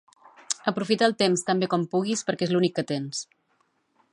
Aprofita el temps tan bé com puguis perquè és l'únic que tens